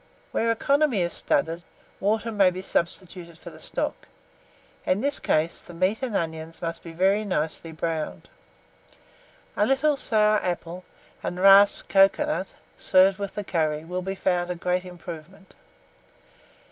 Where economy is studied, water may be substituted for the stock; in this case, the meat and onions must be very nicely browned. A little sour apple and rasped cocoa nut stewed with the curry will be found a great improvement.